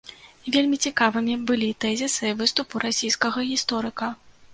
Вельмі цікавымі былі тэзісы выступу расійскага гісторыка.